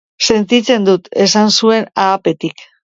Sentitzen dut, esan zuen ahapetik.